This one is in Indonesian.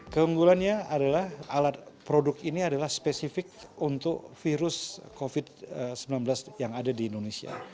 keunggulannya adalah alat produk ini adalah spesifik untuk virus covid sembilan belas yang ada di indonesia